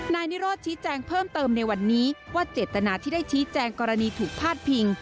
นายนิโรธชี้แจงเพิ่มเติมในวันนี้ว่าเจตนาที่ได้ชี้แจงกรณีถูกพาดพิง